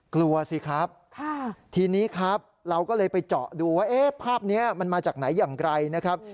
กลัวสิครับทีนี้ครับเราก็เลยไปเจาะดูว่าภาพนี้มันมาจากไหนอย่างไรนะครับ